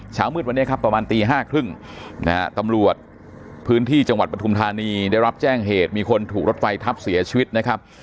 เช้ามืดวันนี้ครับประมาณตี๕๓๐นะฮะตำรวจพื้นที่จังหวัดปฐุมธานีได้รับแจ้งเหตุมีคนถูกรถไฟทับเสียชีวิตนะครับ